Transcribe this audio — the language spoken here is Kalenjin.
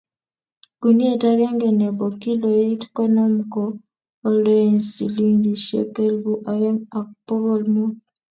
guniet agenge nebo kiloit konom ko oldoen silingisiek elipu aeng ak bokol mut